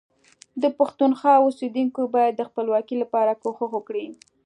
د پښتونخوا اوسیدونکي باید د خپلواکۍ لپاره کوښښ وکړي